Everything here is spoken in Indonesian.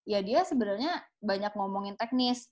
ya dia sebenarnya banyak ngomongin teknis